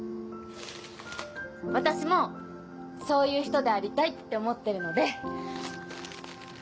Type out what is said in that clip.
私もそういう人でありたいって思ってるので。